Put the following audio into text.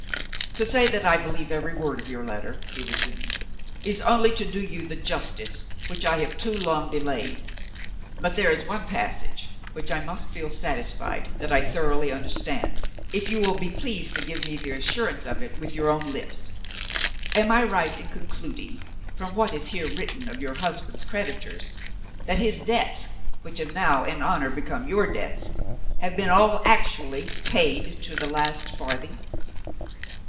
"To say that I believe every word of your letter," he resumed, "is only to do you the justice which I have too long delayed. But there is one passage which I must feel satisfied that I thoroughly understand, if you will be pleased to give me the assurance of it with your own lips. Am I right in concluding, from what is here written of your husband's creditors, that his debts (which have now, in honor, become your debts) have been all actually paid to the last farthing?"